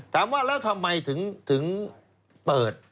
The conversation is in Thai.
ถามว่าแล้วทำไมถึงเปิด